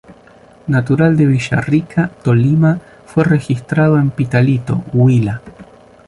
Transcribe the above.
Natural de Villarrica, Tolima, fue registrado en Pitalito, Huila.